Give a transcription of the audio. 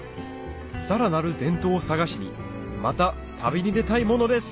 さらなる伝統を探しにまた旅に出たいものです